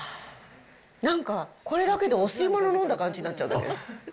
なんか、これだけでお吸い物飲んだ感じになっちゃうんだけど。